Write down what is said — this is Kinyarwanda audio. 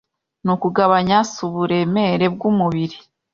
Nukugabanya suburemere bwumubiri